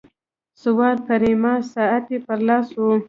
سوار پریما ساعت یې په لاس وو.